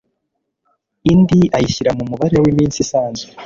indi ayishyira mu mubare w'iminsi isanzwe